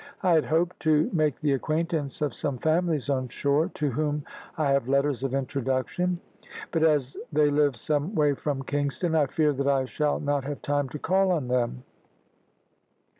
I had hoped to make the acquaintance of some families on shore to whom I have letters of introduction, but as they live some way from Kingston I fear that I shall not have time to call on them.